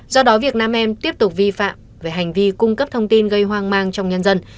do đó việc nam em tiếp tục vi phạm về hành vi cung cấp thông tin gây hoang mang trong nhân dân